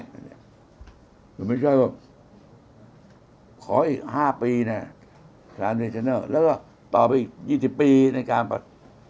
แต่ไม่ใช่ว่าขออีก๕ปีแล้วก็ตอบอีก๒๐ปีในการปรับ